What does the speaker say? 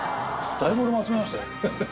だいぶ俺も集めましたよ